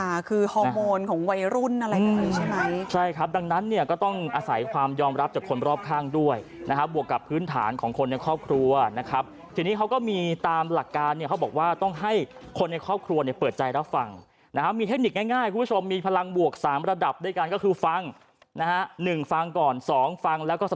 ขึ้นมาเหมือนกันค่ะคือฮอร์โมนของวัยรุ่นอะไรใช่ไหมใช่ครับดังนั้นเนี่ยก็ต้องอาศัยความยอมรับจากคนรอบข้างด้วยนะครับบวกกับพื้นฐานของคนในครอบครัวนะครับทีนี้เขาก็มีตามหลักการเนี่ยเขาบอกว่าต้องให้คนในครอบครัวเนี่ยเปิดใจแล้วฟังนะครับมีเทคนิคง่ายคุณผู้ชมมีพลังบวก๓ระดับด้วยกันก็คือ